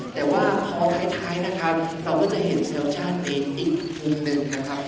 แต่ว่าพอท้ายนะครับเราก็จะเห็นเซลชั่นเองอีกมุมหนึ่งนะครับ